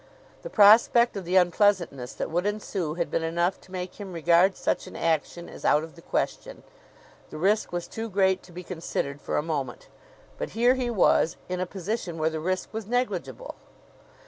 The prospect of the unpleasantness that would ensue had been enough to make him regard such an action as out of the question. The risk was too great to be considered for a moment; but here he was, in a position where the risk was negligible!